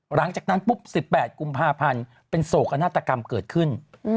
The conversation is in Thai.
หลังจากนั้นปุ๊บ๑๘กุมภาพันธ์เป็นโศกนาฏกรรมเกิดขึ้น